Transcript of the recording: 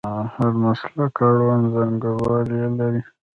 د هر مسلک اړوند څانګوال یې لري.